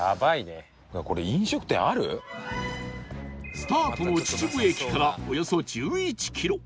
スタートの秩父駅からおよそ１１キロ